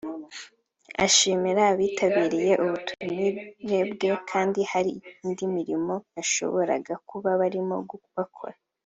ashimira abitabiriye ubutumire bwe kandi hari indi mirimo bashoboraga kuba barimo bakora